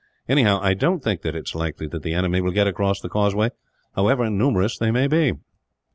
Anyhow, I don't think that it is likely that the enemy will get across the causeway, however numerous they may be."